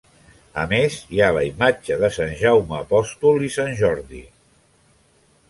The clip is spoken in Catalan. A més, hi ha la imatge de Sant Jaume apòstol i Sant Jordi.